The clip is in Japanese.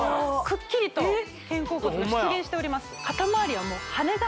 くっきりと肩甲骨が出現しております